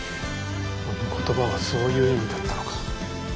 あの言葉はそういう意味だったのか。